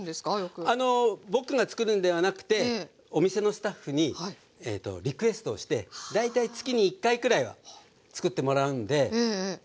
あの僕がつくるんではなくてお店のスタッフにリクエストをして大体月に１回くらいはつくってもらうんでもうそうですね